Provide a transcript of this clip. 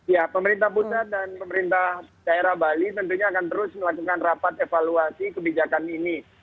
ya pemerintah pusat dan pemerintah daerah bali tentunya akan terus melakukan rapat evaluasi kebijakan ini